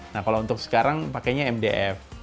nah kalau untuk sekarang pakainya mdf